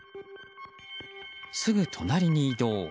すぐ隣に移動。